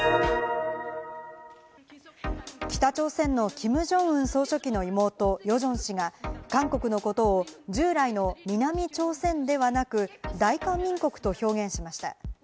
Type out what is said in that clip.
北朝鮮のキム・ジョンウン総書記の妹・ヨジョン氏が韓国のことを従来の南朝鮮ではなく、大韓民国と表現しました。